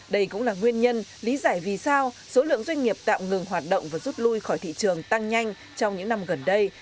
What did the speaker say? đây cũng là nguyên nhân lý giải vì sao số lượng doanh nghiệp tạm ngừng hoạt động và rút lui khỏi thị trường tăng nhanh trong những năm gần đây